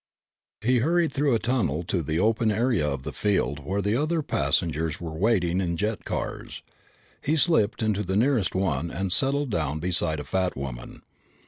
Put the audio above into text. He hurried through a tunnel to the open area of the field where the other passengers were waiting in jet cars. He slipped into the nearest one and settled down beside a fat woman.